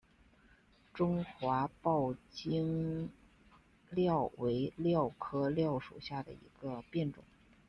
中华抱茎蓼为蓼科蓼属下的一个变种。